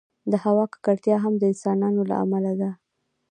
د هوا ککړتیا هم د انسانانو له امله ده.